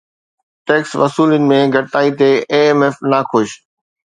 tax وصولين ۾ گهٽتائي تي اي ايم ايف ناخوش